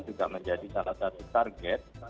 juga menjadi salah satu target